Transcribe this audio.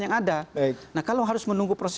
yang ada nah kalau harus menunggu proses